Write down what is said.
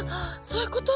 そういうこと？